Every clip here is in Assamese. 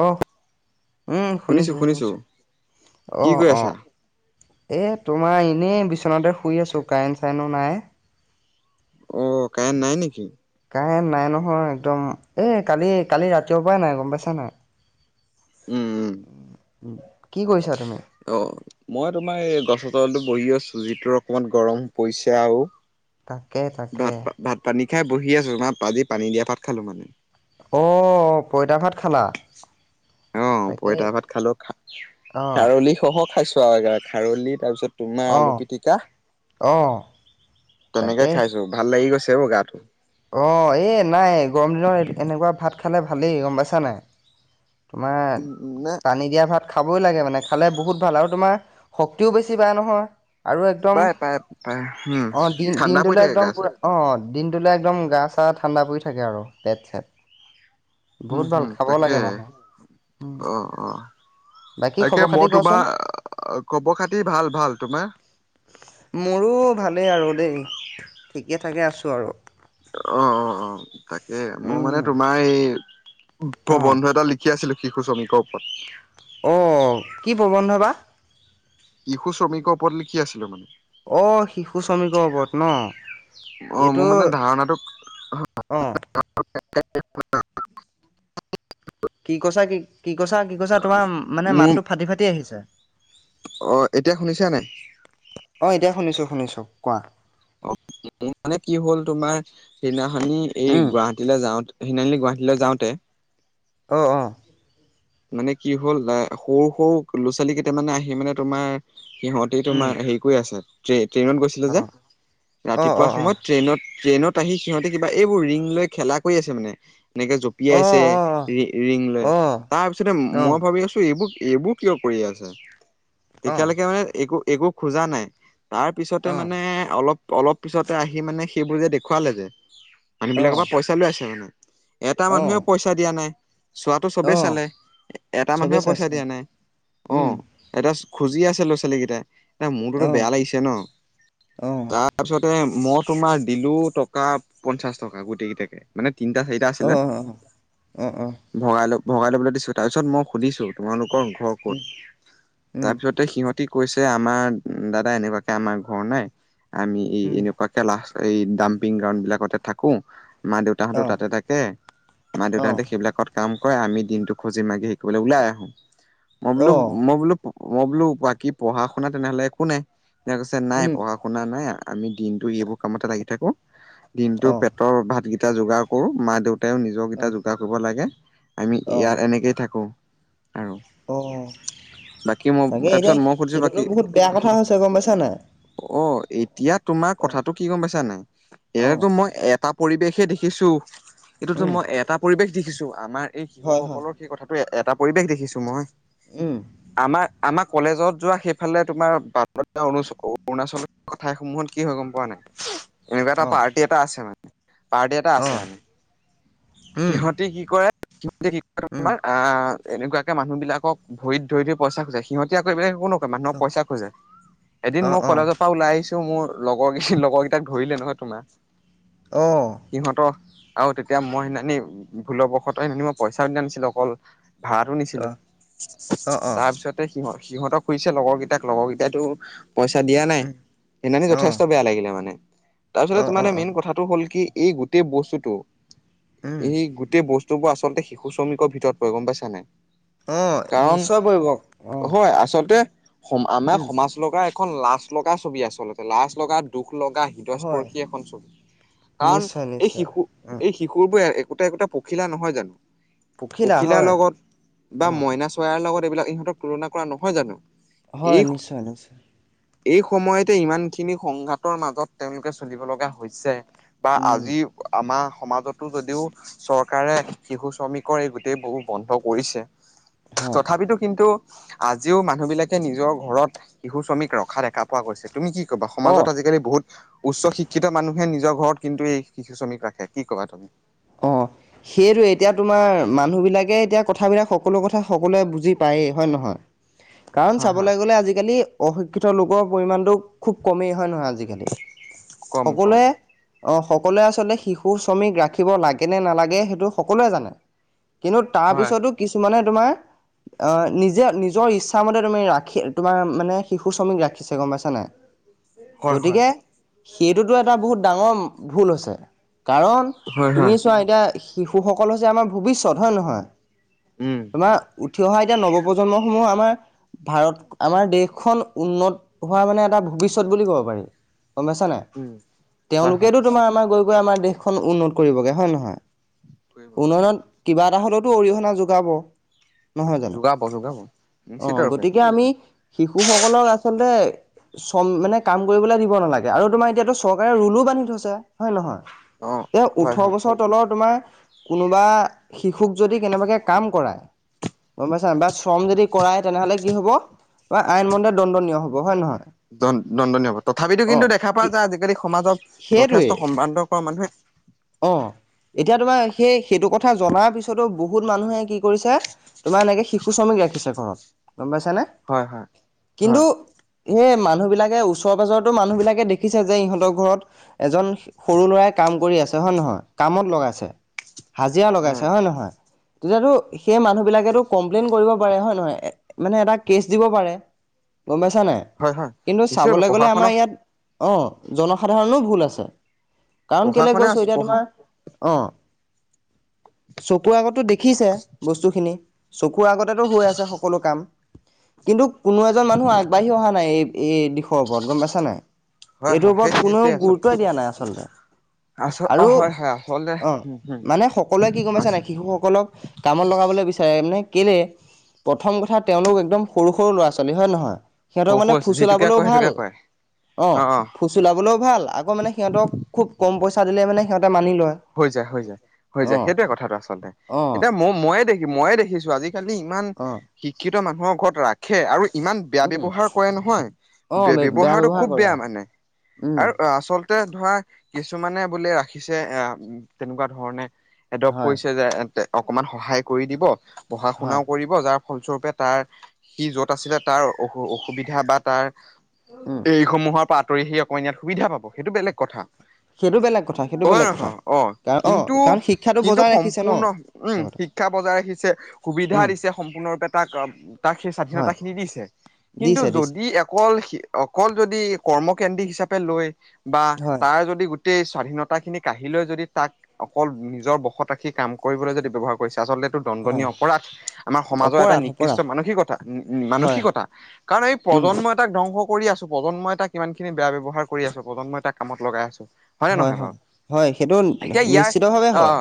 আহ উম, শুনিছো শুনিছো কি আহ কৰি আহ। আছা এই তোমাৰ এনেই বিচনাতে শুই আছোঁ কাৰেণ্ট চাৰেননো নাই। অ' কায়ন নাই নেকি? কাৰেণ্ট নাই নহয় একদম এই কালি কালি ৰাতিয়ৰ পৰাই নাই গম পাইছা নাই। উম উম কি কৰিছা তুমি? অ মই তোমাৰ এই গছৰ তলো বহি আছো যিটো অকমান গৰম পৰিছে আৰু। তাকে তাকে ভাত ভাত পানী খাই বহি আছো মাত আজি পানী দিয়া ভাত খালো মানে। অ' কইতা ভাত খালা! অ' তাকে পইতা ভাত খালো খাই অ', খাৰলি খহ খাইছো আৰু খাৰলি তাৰপিছত তোমাৰ আলু অ', পিটিকা অ', তেনেকে তাকে খাইছো ভাল লাগি গৈছে বৌ গাটো। অ' এই নাই গৰম দিনত এনেকুৱা ভাত খালে ভালেই গম পাইছা নাই। তোমাৰ উম উম নাই টানি দিয়া ভাল খাবই লাগে মানে খালে বহুত ভাল আৰু তোমাৰ শক্তিও বেছি বায় নহয়। আৰু একদম পাই পাই পাই উম অ' দিন ঠাণ্ডা পৰি দিনটোলৈ থাকে গা একদম চা পুৰা অ' দিনটোলৈ একদম গা চা ঠাণ্ডা পৰি থাকে আৰু পেট চেট। উম বহুত ভাল হম খাব তাকে লাগে মানুহে। [unintelligible] বাকী তাকে খবৰ খাতি মই কোৱাচোন তোমাৰ, খবৰ খাতি ভাল ভাল তোমাৰ? মোৰো ভালেই আৰু দেই, ঠিকে থাকে আছোঁ আৰু। অ', অ', অ', তাকে মই মানে উম তোমাৰ এই অ প্ৰবন্ধ এটা লিখি আছিলো শিশু শ্ৰমিকৰ ওপৰত। অ' কি প্ৰবন্ধ বা। শিশু শ্ৰমিকৰ ওপৰত লিখি আছিলো মানে। অ' শিশু শ্ৰমিকৰ ওপৰত ন, অ মোৰ এইটো মানে ধাৰণাটো অ'। কি কৈছাঁ কি কি কৈছাঁ কি কৈছাঁ তোমাৰ মানে মোৰ মাতটো ফাটি ফাটি আহিছে। অ' এতিয়া শুনিছা নে নাই। অ' এতিয়া শুনিছো শুনিছো কোৱা। অ' মানে কি হ'ল তোমাৰ সেইদিনাখনি এই উম গুৱাহাটীলৈ যাওঁতে তিনিআলি গুৱাহাটীলৈ যাওঁতে। অ', অ'। মানে কি হ'ল এ সৰু সৰু ল'ৰা ছোৱালী কেইটামানে আহি মানে তোমাৰ সিহঁতি উম তোমাৰ হেৰি কৰি আছে। ট্ৰে ট্ৰেইনত গৈছিলোঁ যে, অ অ ৰাতিপুৱা অ অ সময়ত ট্ৰেইনত ট্ৰেইনত আহি সিহঁতে কিবা এইবোৰ ৰিং লৈ খেলা কৰি আছে মানে এনেকে জপিয়াইছে অ ৰি ৰিং লৈ, অ তাৰ পিছতে অ অ মই ভাবি আছো এইবোৰ এইবোৰ কিয় কৰি আছে। অঁ তেতিয়ালৈকে মানে একো একো খোজা নাই, তাৰ পিছতে অঁ মানে অলপ অলপ পিছতে আহি মানে সেইবোৰ যে দেখুৱালে যে, মানুহ বিলাকৰ অঁ পৰা পইচা লৈ আছে মানে। এটা অঁ মানুহেও পইচা দিয়া নাই, চোৱাতটো চবেই অঁ [unintelligible] এটা চবেই মানুহে পইচা চাইছে অঁ দিয়া নাই, উম অ'। এটা খুজি আছে ল'ৰা ছোৱালীকেইটাই, এয়া মোৰটোতো অঁ বেয়া লাগিছে ন। অঁ তাৰ পিছতে মই তোমাৰ দিলো টকা পঞ্চাশ টকা গোটেই কেইটাকে। মানে তিনিটা চাৰিটা আছিলে। অঁ অঁ অঁ অঁ ভগাই ল ভগাই ল'বলৈ দিছোঁ তাৰপিছত মই সুধিছো উম তোমালোকৰ ঘৰ ক'ত, উম তাৰপিছত ত সিহঁতি কৈছে আমাৰ দাদা এনেকুৱাকে আমাৰ ঘৰ নাই, আমি এই উম এনেকুৱাক [unintelligible] এই ডাম্পিং গ্ৰাউড বিলাকতে থাকো। মা দেউতাহঁতো অঁ তাতে থাকে, মা অঁ দেউতাহঁতে সেইবিলাকত কাম কৰে আমি দিনটো খজি মাগি শিকিবলৈ ওলাই আহো, মই বোলো অঁ মই বোলো মই বোলো বাকী পঢ়া শুনা তেনেহ'লে একো নাই, যে কৈছে নাই উম পঢ়া শুনা শুনা নাই আমি দিনটো এইবোৰ কামতে লাগি থাকো, দিনটো অঁ ভাতৰ ভাতকেইটা যোগাৰ কৰোঁ মা দেউতাও নিজৰকেইটা অঁ যোগাৰ কৰিব লাগে। আমি অঁ ইয়াৰ এনেকেই থাকো। আৰু, অঁ বাকী মই তাকে এতিয়া তাৰপিছত মই সুধিছো সেইটোতো বাকী। বহুত বেয়া কথা হৈছে গম পাইছা নাই অ' এতিয়া তোমাৰ অঁ কথাাতটো কি গ'ম পাইছা নাই, অঁ এয়াতো মই এ এটা পৰিৱেশে দেখিছো, এইটোতো উম মই এটা পৰিৱেশ দেখিছো আমাৰ এই হয় হয় শিশুসকলৰ সেই কথাটো এটা পৰিৱেশ দেখিছো মই। উম। আমাৰ, আমাৰ কলেজত যোৱা সেইফালে তোমাৰ বাটতে অৰুণ অৰুণাচলত কঠাইসমূহত কি হয় গ'ম পোৱা নাই। এনেকুৱা এটা অঁ পাৰ্টি এটা আছে মানে, পাৰ্টি এটা অঁ আছে মানে, উম সিহঁতি কি কৰে। [unintelligible] উম অ' এনেকুৱাকে মানুহবিলাকক ভৰিত ধৰি ধৰি পইচা খোজাই সিহঁতীয়া এইবিলাক একো ন মানুহক অঁ পইচা খোজে, এদিন অঁ মই কলেজত পৰা ওলাই আহিছো, মোৰ লগৰ লগৰ কেইটাক ধৰিলে নহয় তোমাৰ অ'। সিহঁতৰ, আৰু তেতিয়া মই সেইখিনি ভুলবশতঃ সেইি মই পইচাও দি আনিছিলো অকল। ভাতো নিছিলো, অঁ অঁ তাৰপিছত সিহঁত সিহঁত খুজিছে লগৰ কেইটাক লগৰ কেইটাটো পইচা দিয়া নাই, সেইকাৰণে অঁ যথেষ্ট বেয়া লাগিলে মানে তাৰপিছতে অঁ অঁ তে অঁ মেইন কথা হ'ল কি এই গোটেই বস্তুটো, উম এই গোটেই বস্তু বুবোৰ আচলতে শি শ্ৰমিকৰ ভিতৰত পৰে গম পাইছা নাই? অ' কাৰণ নিশ্চয় পৰিব। হয়, আচলতে সম আমাৰ উম সমাজ লগা এখন লাচ লগা ছবি আচলতে লাচ লগা দুখ লগা হয় হৃতয়স্পৰ্শী, এখন ছবি কাৰণ নিশ্চয় এই নিশ্চয় শিশু উম এই শিশু বোৰ একোটা একোটা পখিলা নহয় জানো, পখিলা পখিলাৰ হয় লগত, বা অঁ। মইনা চয়াৰ লগত এইবিলাক ইহঁতক তুলনা কৰা নহয় জানো? হয়, এই নিশ্চয় নিশ্চয়। এই সময়তে ইমান খিনি সংঘাতৰ মাজত তেওঁলোকে চলিব লগা হৈছে। বা উম আজি আমাৰ সমাজতো যদিও চৰকাৰ চৰকাৰে শিশু শ্ৰমিকৰ এই গোটেই বহু বন্ধ কৰিছে হয় তথাপিতো কিন্তু আজিও মানুহ বিলাকে নিজৰ ঘৰত শিশু শ্ৰমিক ৰখা দেখা পোৱা গৈছিল। তুমি কি ক'া অঁ সমাজত আজিকালি বহুত উচ্চ শিক্ষিত মানুহে নিজৰ ঘৰত কিন্তু এই শিশু শ্ৰমিক ৰাখে কি কবা তুমি। অ'। সেইটোৱে এতিয়া তোমাৰ মানুহবিলাকে এতিয়া কথাবিলাক সকলো কথা সকলোৱে বুজি পায়েই হয় নহয় কাৰণ হয় হয় চাবলৈ গ'লে আজিকালি অশিক্ষিত লোকৰ পৰিমণটো খুব কমেই হয় নহয় আজিকালি কম কম সকলোৱে অ সকলোৱে আচলতে শিশু শ্ৰমিক ৰাখি থিব লাগে নে নালাগে সেইটো সকলোৱে জানে কিন্তু হয় তাৰপিছতো কিছুমানে তোমাৰ অ নিজে নিজৰ ইচ্ছা মতে তুমি ৰাখি তোমাৰ মানে শিশু শ্ৰমিক ৰাখিছে গম পাইছা নাই উ হয় হয় গতিকে সেইটোতো এটা বহুত ডাঙৰ ভুল হৈছে কাৰণ হয় তুমি হয় চোৱা এতিয়া শিশুসকল হৈছে আমাৰ ভৱিষ্যত হয় নে নহয় উম তোমাৰ উঠি অহা এতিয়া নৱপ্ৰন্মসমূহ আমাৰ ভাৰত আমাৰ দেশখন উন্নত হোৱা মানে এটা ভৱিষ্যত বুলি ক'ব পাৰি গম পাইছাানে উম হয় হয় তেওঁলোকেতেতো তোমাৰ আমাৰ গৈ গৈ আমাৰ দেশখন উন্নত কৰিবগে হয় নে নহয় উন্নয়নত হয় কিবা এটা হলেওতো অৰিহণা যোগাব নহয় জানো যোগাব যোগাব অ নিশ্চিত ৰূপে গতিকে আমি শিশুসকলক আচলতে চ মানে কাম কৰিবলৈ দিব নালাগে আৰু তোমাৰ এতিয়াতো চৰকাৰে োলো বান্ধি থৈছে হয়ে নহয় অ এ হয় ওঠৰ হয় বছৰ তলৰ তোমাৰ কোনোবা শিশুক যদি কেনেবাকে কাম কৰায় গম পাইছা ন বা শ্ৰম যদি কৰাই তেনেহলে কি হব বা আইন মন্দে দণ্ডনীয় হব হয় নে নহয় দ দণ্ডনীয় হ'ব তথাপিতো অ' কিন্তু দেখা পোৱা কি যোয় আজিকালি সমাজত সেইটোৱেই যথেষ্ট সম্ভ্ৰান্ত কৰা মানুহে অ এতিয়া তোমাৰ সেই সেইটো কথা জনাৰ পিছতো বহুত মানুহে কি কৰিছে তোমাৰ এনেকে শিশু শ্ৰমিক ৰাখিছে ঘৰত গম পাইছেনেে হয় হয় কিন্তু হয় এ মানুহ বিিলাকে ওচৰ পাজৰতো মানুহ বিিলাকে দেখিছে যে ইহঁতৰ ঘৰত এজন সৰু ল'ৰাই কাম কৰি আছে হয় নহয় কামত লগাইছে হাজিৰা লগাইছে হয় নহয় তেতিয়াতো সেই মানুহ বিলাকেতো কমপ্লেইন কৰিব পাৰে হয় নহয় মানে এটা কেচ দিব পাৰে গম পাইছা নাই হয় হয় কিন্তু নিশ্চয় চাবলৈ গলে পঢ়া আমাৰ শুনা ইয়াত অ জনসাধাৰণো ভুল আছে কাৰণ কেলে প্ৰশাসনে কৈছো আছো এতিয়া তোমাৰ অ চকুৰ আগতো দেখিছে বস্তুখিনি চকুৰ আগতেো হৈ আছে সকলো কাম কিন্তু কোনো এজন মানুহ আগবাঢ়ি অহা নাই এই দিশৰ ওপৰত গম পাইছা নাই হয় হয় এইটোৰ ওপৰত সেই কোননেও গুৰুত্বই দিয়া নাই আচল্ততে আছ অ হয় হয় আচম অ' মানে সকলোৱে কি গমাইছে নাই শিশুসকলক কামত লগাবলৈ বিচাৰে মানে কেলে প্ৰথম কথা তেওঁলোক একদম সৰু সৰু ল'ৰা ছোৱালী হয় নে নহয় সৰু সিহঁতক মানে সৰু যিটোকে কয় ফুচলাবলৈও ভাল সেইটোকে কয় অ ফুচ ওলাবলৈও ভাল আকৌ মানে সিহঁতক খুব কম পইচা দিলে মানে সিহতে মানি ল হৈ যায় হৈ যায় হৈ যায় সেইটোয়ে কথাটো আচল্ততে অ' এতিয়া মই ময়ে দেখি মইয়ে দেখিছো আজি আজ খালি ইমান অ' শিক্ষিত মানুহৰ ঘৰত ৰাখে আৰু ইমান বেয়া উম ব্য্য়ৱহাৰ কৰে নহয় অ' বেয়া ব্যৱহাৰটো ব্যৱহাৰ খুব কৰে বেয়া অ' মানে উম আৰু আচল ধৰা কিছুমানে বোলে ৰাখিছে এ তেনেকুৱা ধৰণে এডপট হয় কৰিছে যে অকমান সহায় কৰি দিব পঢ়া হয় শুনাও কৰিব যাৰ ফলস্বৰূপে তাৰ সি য'ত আছিলে তাৰ অ অসুবিধা বা তাৰ উম এই সমূহৰ পৰা আঁতৰি আহি আক ইাত সুবিধা পাব সেইটো বেলেগ কথা সেইটো বেলেগ কথা সেইটো হয় বেলেগ কথা নহয় অ কাৰণ অ কিন্তু কাৰণ শিক্ষাটো কিন্তু বজাই ৰাখিছে ন সম্পূৰ্ণ উম লগতে শিক্ষা বজাই ৰাখিছে সুবিধা উম দিছে সম্পূৰ্ণৰূপে তাক তাক সেই স্বাধীনতা হয় খিনি দিছে কিন্তু দিছে দিছে যদি অকল অকল যদি কৰ্মকেন্দ্ৰিক হিচাপে লৈ বা হয় তাৰ যদি গোটেই স্বাধীনতা খিনি কাহি আহিলৈ যদি তাক অকল নিজৰ বসত ৰাখি কাম কৰিবলৈ যদি ব ব্যৱহাৰ কৰিছে আচলো হয় দণ্ডনীয় অপৰাধ আমাৰ সমাজৰ এটা অপৰাধ নিকৃষ্ট অপৰাধ মানসিকতা হয় মানসিকতা কাৰণ এই উম প্ৰজন্মই তাক ধ্বংস কৰি আছোঁ, প্ৰজন্মই তাক কিমানখিনি বেয়া ব্যয়ৱাৰ কৰি আছোঁ, প্ৰজন্মই তাক কামত লগাই আছোঁ। হয় নে নহয় বাৰু? হয়। সেইটো এতিয়া ইয়াৰ নিশ্চিতভাৱে আ, হয়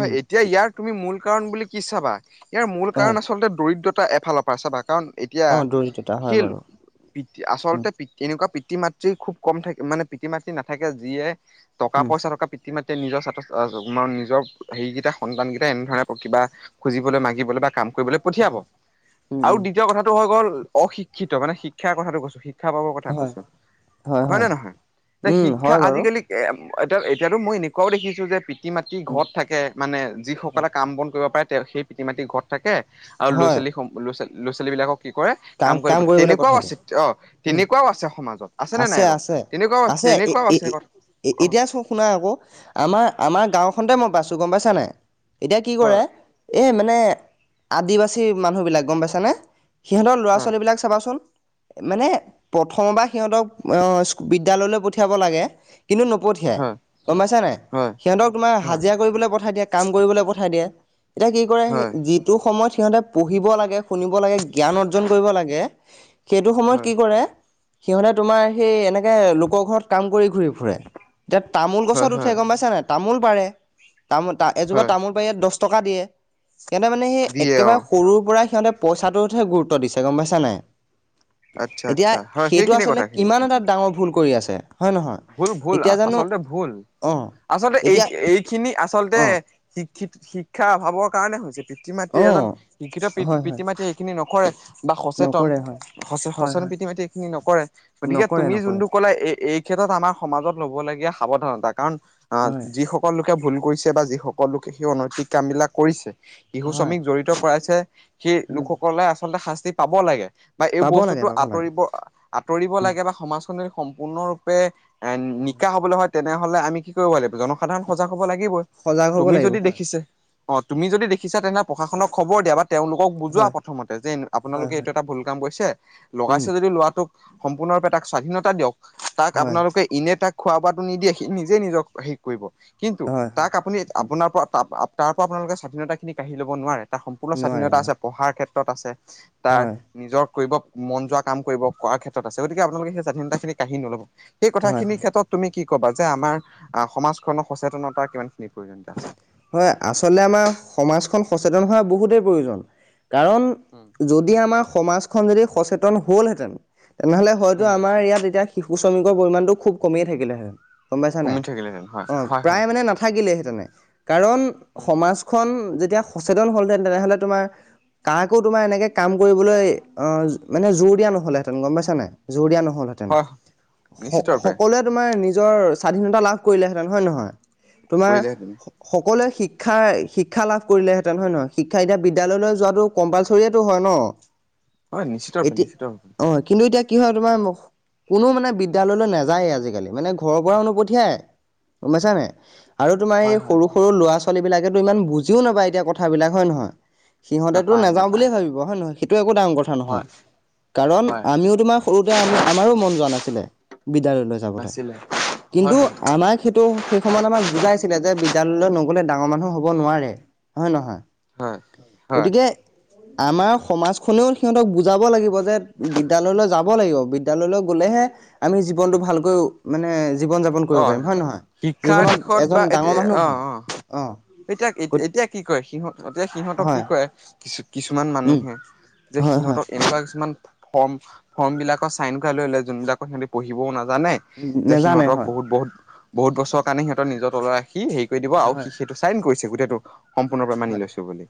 উম এতিয়া ইয়াৰ তুমি মূল কাৰণ বুলি কি চাবা, ইয়াৰ মূল হয় কাৰণ আচলতে দৰিদ্ৰতা এফালৰ পৰা চাবা কাৰণ এতিয়া অ দৰিদ্ৰতা হয় শিল বাৰু পিত উম আচলতে পিত এনেকুৱা পিতৃ মাতৃ খুব কম থাকে মানে পিতৃ মাতৃ নাথাকে যিয়ে টক উম পইচা থকা পিতৃ মাতৃয়ে নিজৰ ছাত্ৰ অ' চ' নিজৰ হেৰিকেইটা সন্তানকেইটাই এনেধৰণৰ কিবা খুজিবলৈ মাগিবলৈ বা কাম কৰিবলৈ পঠিয়াব। উম আৰু উম দ্বিতীয় কথাটো হৈ গ'ল অশিক্ষিত মানে শিক্ষাৰ কথাটো কৈছোঁ শিক শিক্ষা পাবৰ কথা হয় কৈছোঁ। হয় নে নহয়? এ উম শিক্ষা হয় বাৰু আজিকালি এতিয়া এতিয়াতো মই এনেকুৱাও দেখিছোঁ যে পিত পিতৃ মাতৃ উম ঘৰত থাকে মানে হয় যিসকলে কাম বন কৰিব পাৰে তেওঁ সেই পিতৃ মাতৃ ঘৰ থাকে আৰু ল' হয় ছোৱালী ল' ছ ল'ৰা ছোৱালীবিলাকক কি কৰে কাম কৰিব প কৰিবলৈ তেনেকুৱাও পঠাই আছে দিয়ক অ' উম তেনেকুৱাও আছে সমাজত। আছেনে আছে নাই বাৰু? আছে তেনেকুৱাও আছে এ তেনেকুৱাও এ আছে এ কথা এ, অ এতিয়া চ' শুনা আকৌ আমাৰ আমাৰ গাঁওখনতে মই বাছোঁ গ'ম পাইছা নাই? এতিয়া কি কৰে হয় এই মানে আদিবাসী মানুহবিলাক গ'ম পাইছানে? সিহঁতৰ ল'ৰা ছোৱালীবিলাক চাবচোন। মানে প্ৰথমবা সিহঁতক বিদ্যালয়লৈ পঠিয়াব লাগে। কিন্তু নপঠিয়াই হয় গম পাইছা নাই? হয় সিহঁতক তোমাৰ হয় হাজিৰা কৰিবলৈ পঠাই দিয়া কাম কৰিবলৈ পঠাই দিয়ে। এতিয়া কি কৰে হয় যিটো সময়ত সিহঁতে পঢ়িব লাগে, শুনিব লাগে জ্ঞান অৰ্জন কৰিব লাগে সেইটো সময়ত হয় কি কৰে সিহঁতে তোমাৰ সেই এনেকে লোকৰ ঘৰত কাম কৰি ঘূৰি ফুৰে। এতিয়া তামোল হয় হয় গছত উঠে হয় গম পাইছা নাই? তামোল পাৰে। তামোল তা এজোপা হয় তামোল ক'ব ইয়াৰ দহটকা দিয়ে। সেইকাৰণে মানে হেই দিয়ে অ একেবাৰে সৰুৰপৰা সিঁহতে পইচাটো টোতহে গুৰুত্ব দিছে গ'ম পাইছা নাই? আচ্ছা এতিয়া আচ্ছা হয় সেইটো সেইখিনি আচলতে কথাখিনি কিমান এটা ডাঙৰ ভুল কৰি আছে। হয় নহয়। ভুল ভুল এতিয়া জানো আচলতে ভুল। অঁ আচলতে এই এতিয়া এইখিনি আচলতে অঁ শিক্ষিত শিক্ষাৰ অভাৱৰ কাৰণে হৈছে, পিতৃ মাতৃ অঁ এজন শিক্ষিত পিত হয় হয় পিতৃ মাতৃয়ে এইখিনি নকৰে। বা সচেতন। নকৰে হয়। হয় সচে-সচেতন হয় পিতৃ মাতৃয়ে এইখিনি নকৰে। গতিকে নকৰে তুমি নকৰে যোনটো কলা এ, এই ক্ষেত্ৰত আমাৰ সমাজত ল'বলগীয়া সাৱধানতা কাৰণ হয় যিসকল কিবা ভুল কৰিছে বা যিসকল লোকে সেই অনৈতিক কামবিলাক কৰিছে, শিশু হয় শ্ৰমিক জড়িত কৰাইছে সেইলোকসকলে আচলতে শাস্তি পাব লাগে বা এই পাব লাগে বস্তুটো পাব লাগে। আতৰিব আতৰিব লাগে বা সমাজখন সম্পূৰ্ণৰূপে এ, নিকা হবলৈ হয় তেনেহলে আমি কি কৰিব লাগিব জনসাধাৰণ সজাগ হব লাগিবই। সজাগ হ'ব তুমি লাগিব যদি হয়। দেখিছে অ' তুমি যদি দেখিছা তেনেহলে পশাসনক খবৰ দিয়া বা তেওঁলোকক বুজোৱা হয়, প্ৰথমতে যে হয়, আপোনালোকে হয়, এইটো এটা ভুল কাম কৰিছে, উম, লগাইছে যদি ল'ৰাটোক সম্পূৰ্ণৰূপে তাক স্বাধীনতা দিয়ক। তাক হয়, আপোনালোকে ইনে তাক খোৱা বোৱা নিদিয়ে সি নিজে নিজক কৰিব কিন্তু হয়, হয়। তাক আপুনি উম, আপোনাৰপৰা তাৰপৰা আপোনালোকে স্বাধীনতাখিনি কাৰি ল'ব নোৱাৰে। তাৰ সম্পূৰ্ণ নোৱাৰে, স্বাধীনতা নোৱাৰে, আছে, পঢ়াৰ ক্ষেত্ৰত আছে তাৰ হয়, নিজৰ কৰিব মন যোৱা কাম কৰিব কৰাৰ ক্ষেত্ৰত আছে গতিকে আপোনালোকে সেই স্বাধীনতাখিনি কাঢ়ি নল'ব। সেই হয়, কথাখিনিৰ হয়। ক্ষেত্ৰত তুমি কি ক'বা যে আমাৰ আ, সমাজখননৰ সচেতনতা কিমানখিনি প্ৰয়োজনীয়তা আছে? হয় আচলে আমাৰ সমাজখন সচেতন হোৱা বহুতেই প্ৰয়োজন কাৰণ উম যদি আমাৰ সমাজখন যদি সচেতন হ'লহেতেন তেনেহ'লে হয়তো উম, আমাৰ ইয়াত এতিয়া শিক কু শ্ৰমিকৰ পৰিমাণটো খুব কমিয়ে থাকিলেহেঁতেন গম পাইছা নাই? কমি থাকিলেহেঁতেন হয়, অ' হয়, হয়, প্ৰায় মানে নাথা থাকিলেহেঁতেনে কাৰণ উম, সমাজখন যেতিয়া সচেতন হ'লহেঁতেন তেনেহ'লে তোমাৰ কাকো তোমাৰ এনেকে কাম কৰিবলৈ অহ, মানে জোৰ দিয়া নহ'লেহেঁতেন গম পাইছা নাই, জোৰ দিয়া নহলহেঁতেন ন, হয়, নিশ্চিত স- ৰূপে সকলোৱে তোমাৰ নিজৰ স্বাধীনতা লাভ কৰিলেহেঁতেন হয়, নহয় তোমাৰ কৰিলেহেঁতেন। সকলোৱে শিক্ষা, শিক্ষা লাভ কৰিলেহেঁতেন হয়, নহয় শিক্ষা এতিয়া বিদ্যয়ালয়লৈ যোৱাটো কম্পালচৰী হয়, ন হয়, নিশ্চিত ৰূপে, এতি নিশ্চিত ৰূপে, অ', কিন্তু এতিয়া কি হয়, তোমাৰ কোনো মানে বিদ্যায়ললৈ নাযায়ে আজিকালি মানে ঘৰৰ পৰাও নপঠিয়াই গম পাইছানে নাই? আৰু তোমাৰ এই হয়, হয়, সৰু, সৰু ল'ৰা ছোৱালীবিলাকেটো ইমান বুজিও নাপায় এতিয়া কথাবিলাক হয়, নহয়? সিহঁতেতো নাপায়, নাযাওঁ নাপায়, বুলিয়ে ভাবিব হয়, নহয় সেইটো একো ডাঙৰ কথা নহয়, হয়, কাৰণ হয়। আমিও তোমাৰ সৰুতে আমি আমাৰো মন যোৱা নাছিলে বিদ্যালয়লৈ। নাছিলে, কিন্তু হয়, আমাক সেইটো সেই সময়ত আমাক বুজাইছিলে যে বিদ্যালয়লৈ নগ'লে ডাঙৰ মানুহ হ'ব নোৱাৰে হয়, নহয়! হয়, হয়, হয়, গতিকে আমাৰ সমাজখনেও সিহঁতক বুজাব লাগিব যে বিদ্যালয়লৈ যাব লাগিব, বিদ্যালয়ললৈ গ'লেহে আমি জীৱনটো ভালকৈ মানে জীৱন যাপন কৰিব পাৰিম অ'। হয়, নহয় শিক্ষাৰ জীৱনত দিশত এজন বা ডাঙৰ এতিয়া মানুহ হম অ', অ', এতিয়া, এতিয়া কি সিহঁতক এতিয়া সিহঁতক কি হয় কৰে কিছু কিছুমান উম মানুহে যে হয় হয় সিহঁতক এনেকুৱা কিছুমান ফৰ্ম ফৰ্মবিলাকক চাইন কৰাই লৈ লয় যোনবিলাক সিহঁতে পঢ়িবও নাজানে যে নেজানে সিহঁতক হয় বহুত, বহুত বছৰ কাৰণে সিঁহতৰ নিজৰ তলত ৰাখি হেৰি কৰি দিব আৰু হয় সে-সেইটো চাইন কৰিছে গোটেইেটো। সম্পূৰ্ণৰূপে মানি হয়। লৈছোঁ বুলি।